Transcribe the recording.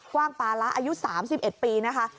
กว้างปาระอายุ๓๑ปีนะคะ